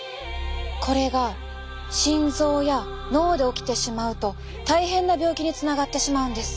これが心臓や脳で起きてしまうと大変な病気につながってしまうんです。